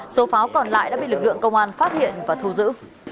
số pháo còn lại đã bị lực lượng công an phát hiện và thu giữ